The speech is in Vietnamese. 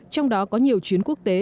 trong đó có nhiều chuyến quốc tế